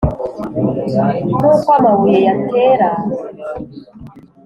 nkuko amabuye yatera